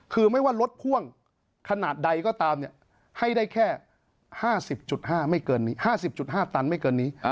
คือไม่ว่ารถพ่วงขนาดใดก็ตามให้ได้แค่๕๐๕ไม่เกิน๕๐๕ตันไม่เกินนี้